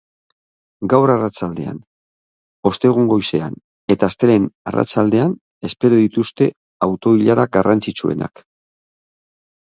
Gaur arratsaldean, ostegun goizean eta astelehen arratsaldean espero dituzte auto ilara garrantzitsuenak.